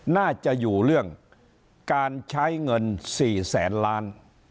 น่าจะอยู่เรื่องการใช้เงิน๔แสนล้าน